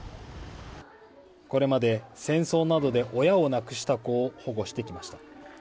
これまで戦争などで親を亡くした子を保護してきました。